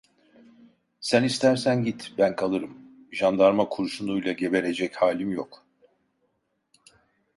Sen istersen git, ben kalırım, jandarma kurşunuyla geberecek halim yok!